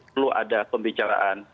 perlu ada pembicaraan